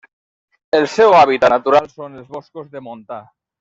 El seu hàbitat natural són els boscos de montà.